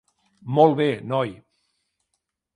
Molt bé, noi.